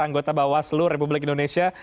anggota bawaslu republik indonesia